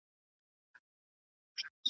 تازه مېوې انرژي ورکوي.